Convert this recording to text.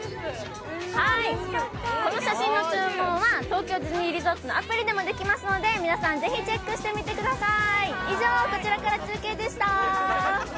この写真の注文は東京ディズニーリゾートのアプリでもできますので皆さん、ぜひチェックしてみてください。